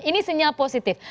ini sinyal positif